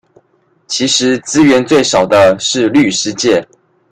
其實資源最少的是律師界